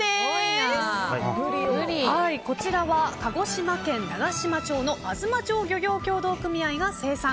こちらは、鹿児島県長島町の東町漁業協同組合が生産。